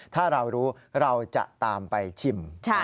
ถ้าเรารู้เราจะตามไปชิม